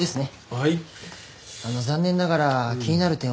はい。